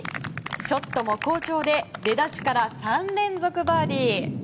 ショットも好調で出だしから３連続バーディー。